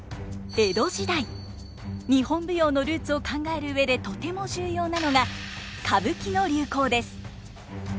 日本舞踊のルーツを考える上でとても重要なのが歌舞伎の流行です。